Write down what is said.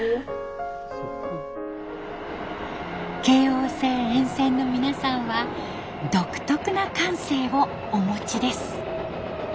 京王線沿線の皆さんは独特な感性をお持ちです。